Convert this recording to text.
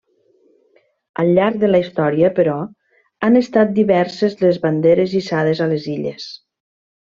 Al llarg de la història però, han estat diverses les banderes hissades a les illes.